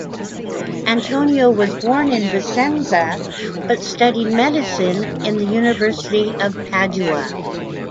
Antonio was born in Vicenza but studied medicine in the University of Padua.